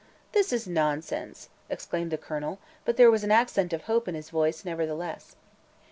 "This is nonsense!" exclaimed the Colonel, but there was an accent of hope in his voice, nevertheless.